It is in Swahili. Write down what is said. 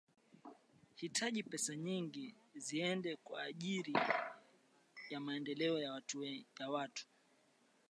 hitaji pesa nyingi ziende kwa ajiri ya maendeleo ya watu